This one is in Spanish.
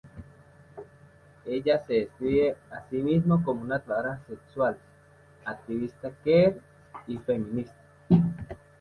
Ella se describe así mismo como una trabajadora sexual, activista queer y feminista.